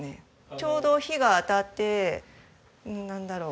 ちょうど日が当たってなんだろう